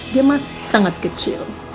dia masih sangat kecil